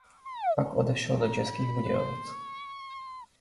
Pak odešel do Českých Budějovic.